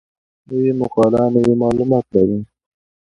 نوې مقاله نوي معلومات لري